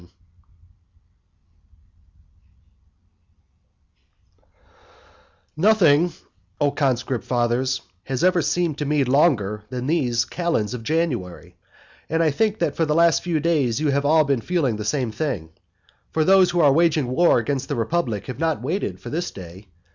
Nothing, O conscript fathers, has ever seemed to me longer than these calends of January, and I think that for the last few days you have all been feeling the same thing. For those who are waging war against the republic have not waited for this day.